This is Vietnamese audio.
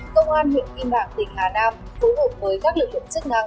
công an huyện kim bảng tỉnh hà nam phối hợp với các lực lượng chức năng